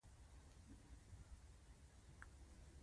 هره ورځ په کې سیاسي ناستې تر سره کېږي.